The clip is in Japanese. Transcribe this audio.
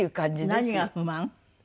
何が不満？